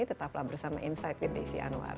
tetaplah bersama insight with desi anwar